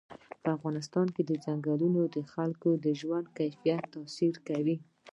په افغانستان کې ځنګلونه د خلکو د ژوند په کیفیت تاثیر کوي.